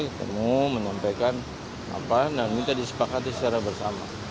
kita mau menampilkan apa dan minta disepakati secara bersama